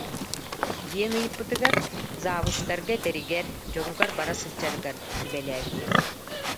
диэн ыйыппытыгар завучтарга этэригэр, дьонугар бара сылдьарыгар сүбэлээбитэ